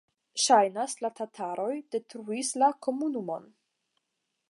Ŝajnas, la tataroj detruis la komunumon.